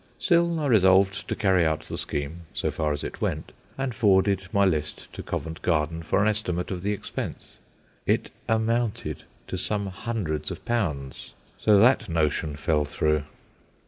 Still, I resolved to carry out the scheme, so far as it went, and forwarded my list to Covent Garden for an estimate of the expense. It amounted to some hundreds of pounds. So that notion fell through.